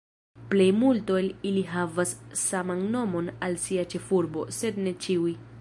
Plejmulto el ili havas saman nomon al sia ĉefurbo, sed ne ĉiuj.